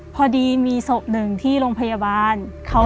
พอดีมีศพหนึ่งที่โรงพยาบาล